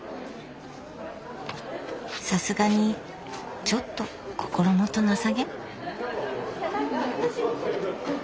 さすがにちょっと心もとなさげ？